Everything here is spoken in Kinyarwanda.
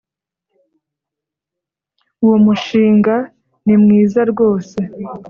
Uwo mushinga ni mwiza rwose